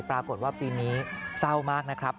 ปรากฏว่าปีนี้เศร้ามากนะครับ